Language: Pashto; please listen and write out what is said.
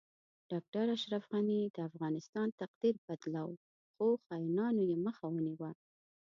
ډاکټر اشرف غنی د افغانستان تقدیر بدلو خو خاینانو یی مخه ونیوه